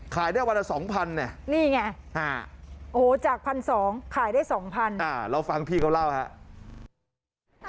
ขายได้วันละ๒๐๐๐บาท